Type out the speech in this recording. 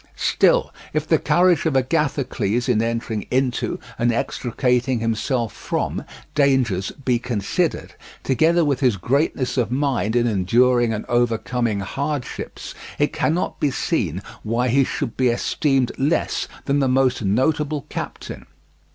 Still, if the courage of Agathocles in entering into and extricating himself from dangers be considered, together with his greatness of mind in enduring and overcoming hardships, it cannot be seen why he should be esteemed less than the most notable captain.